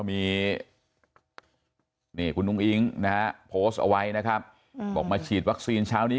มีคุณอุ้งอิ๊งนะฮะโพสต์เอาไว้นะครับบอกมาฉีดวัคซีนเช้านี้